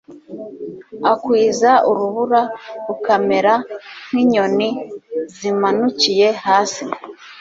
akwiza urubura, rukamera nk'inyoni zimanukiye hasi